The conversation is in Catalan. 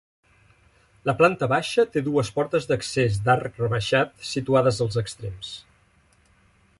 La planta baixa té dues portes d'accés d'arc rebaixat situades als extrems.